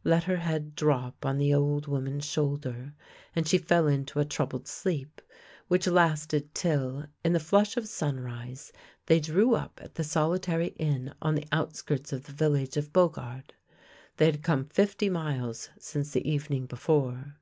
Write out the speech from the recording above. — let her head drop on the old woman's shoulder, and she fell into a troubled sleep, which lasted till, in the flush of sunrise, they drew up at the solitary inn on the outskirts of the village of Beaugard. They had come fifty miles since the even ing before.